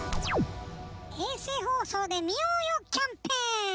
「『衛星放送で見ようよ！』キャンペーン！